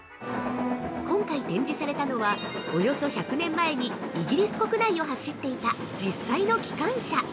◆今回展示されたのはおよそ１００年前にイギリス国内を走っていた実際の機関車。